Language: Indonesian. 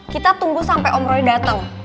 kita tunggu sampe om roy dateng